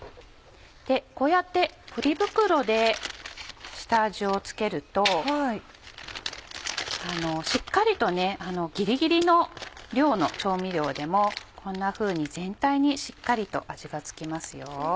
こうやってポリ袋で下味を付けるとしっかりとギリギリの量の調味料でもこんなふうに全体にしっかりと味が付きますよ。